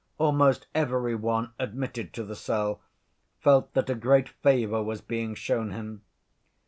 Almost every one admitted to the cell felt that a great favor was being shown him.